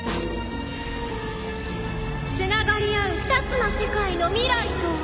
つながり合う２つの世界の未来とは？